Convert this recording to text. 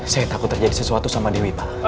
saya takut terjadi sesuatu sama dewi pak